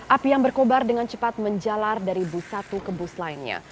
api yang berkobar dengan cepat menjalar dari bus satu ke bus lainnya